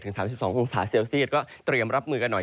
๓๒องศาเซลเซียตก็เตรียมรับมือกันหน่อย